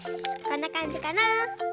こんなかんじかな。